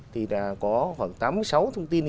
thì đã có khoảng tám mươi sáu thông tin